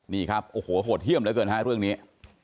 นี่ครับโอ้โหโหดเยี่ยมเหลือเกินฮะเรื่องนี้